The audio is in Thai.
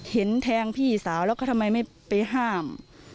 เห็นแทงพี่สาวแล้วก็ทำไมไม่ไปห้าม